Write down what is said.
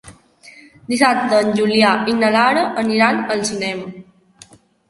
Dissabte en Julià i na Lara aniran al cinema.